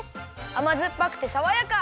あまずっぱくてさわやか！